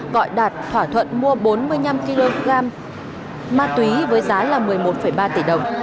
gọi đạt thỏa thuận mua bốn mươi năm kg ma túy với giá là một mươi một ba tỷ đồng